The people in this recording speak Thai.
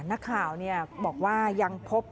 นักข่าวบอกว่ายังพบ